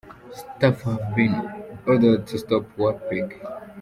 Staff have been ordered to stop work pic.